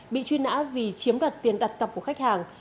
bị truy nã vì chiếm đoạt tiền đặt cọc của khách hàng